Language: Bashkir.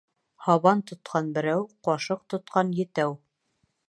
Һабан тотҡан берәү, ҡашыҡ тотҡан етәү.